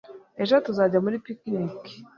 Ejo tuzajya muri picnic